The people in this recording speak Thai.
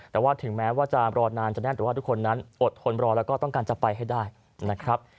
แต่ว่าถึงแม้ว่าจะรอนานจะแน่นแต่ว่าทุกคนนั้นอดทนรอแล้วก็ต้องการจะไปให้ได้นะครับ